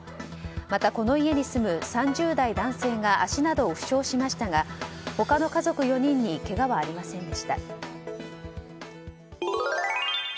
またこの家に住む３０代男性が足などを負傷しましたが他の家族４人にけがはありませんでした。